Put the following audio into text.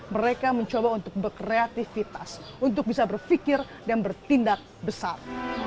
mereka mencoba untuk berkreativitas untuk bisa berpikir dan bertindak besar